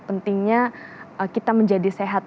pentingnya kita menjadi sehat